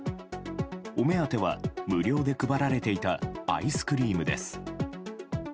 お目当ては無料で配られていたアイスクリームです。